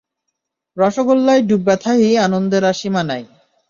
রসোগোল্লায় ডুইব্বা থাহি আনন্দের আর সীমা নাই।